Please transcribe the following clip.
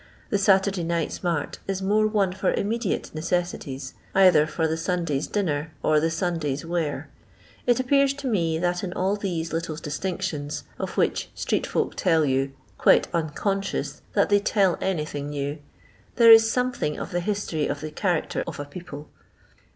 The Saturday night's mart is more one for immediate necessities, either for the Sunday's dinner or the Sunday's wear. It appears to me that in all these little distinctions — of which street folk tell yon, quite unconscious that they tell anything new — there is something of the his tory of the character of a people.